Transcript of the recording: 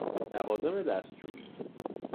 لوازم دستشویی: